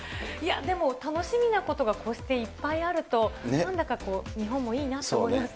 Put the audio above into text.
でも、楽しみなことがこうしていっぱいあると、なんだか日本もいいなと思いますね。